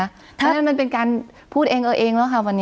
เพราะฉะนั้นมันเป็นการพูดเองเอาเองแล้วค่ะวันนี้